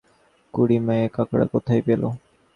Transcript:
সে মাছ কুটিতে কুটিতে বলিল, হ্যাঁ খুড়িমা, এ কাঁকড়া কোথায় পেলো?